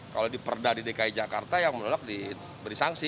kalau diperdah di dki jakarta yang menolak diberi sanksi